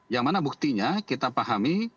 yang mana buktinya kita pahami